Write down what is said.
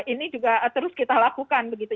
ini juga terus kita lakukan begitu